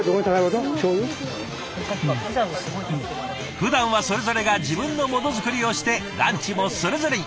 ふだんはそれぞれが自分のものづくりをしてランチもそれぞれに。